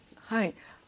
はい。